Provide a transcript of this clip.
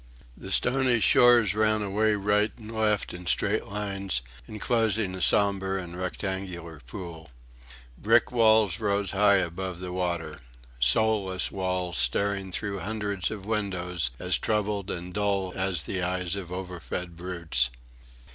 The stony shores ran away right and left in straight lines, enclosing a sombre and rectangular pool. Brick walls rose high above the water! soulless walls, staring through hundreds of windows as troubled and dull as the eyes of over fed brutes.